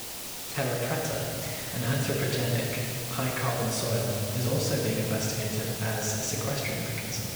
Terra preta, an anthropogenic, high-carbon soil, is also being investigated as a sequestration mechanism.